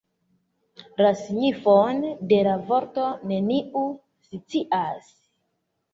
La signifon de la vorto neniu scias.